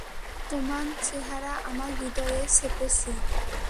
তোমান চেহারা আমার হৃদয়ে ছেপেছি।